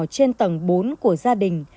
trên tầng bốn của gia đình